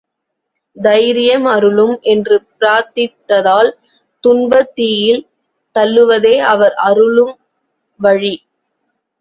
தைரியம் அருளும் என்று பிரார்த்தித்தால், துன்பத் தீயில் தள்ளுவதே அவர் அருளும் வழி.